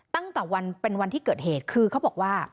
ตั้งแต่วันเป็นวันที่เกิดเหตุคือเขาบอกว่า